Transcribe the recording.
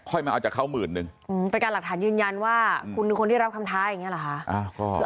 ค่อยมาเอาจากเข้าหมื่นหนึ่งอืมเป็นการเหลือยืนยันว่าคุณคือคนที่รับคำท้ายอย่างเงี้ยหรอคะ